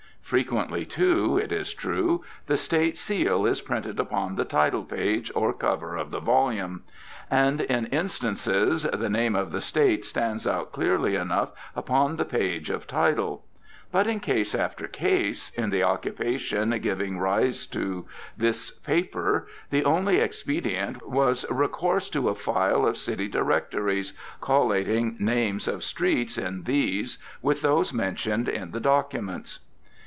Frequently, too, it is true, the State seal is printed upon the title page or cover of the volume. And in instances the name of the State stands out clearly enough upon the page of title. But in case after case, in the occupation giving rise to this paper, the only expedient was recourse to a file of city directories, collating names of streets in these with those mentioned in the documents.